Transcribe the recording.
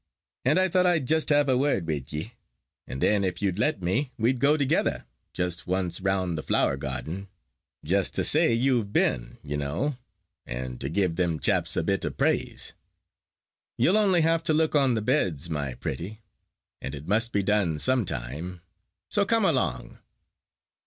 And I thought I'd just have a word wi' ye, and then if you'd let me, we'd go together just once round the flower garden, just to say you've been, you know, and to give them chaps a bit of praise. You'll only have to look on the beds, my pretty, and it must be done some time. So come along!"